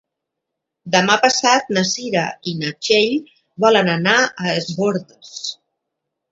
Demà passat na Cira i na Txell volen anar a Es Bòrdes.